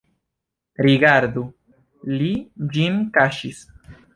Rigardu, li ĝin kaŝis!